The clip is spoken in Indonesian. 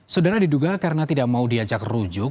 sederhana diduga karena tidak mau diajak rujuk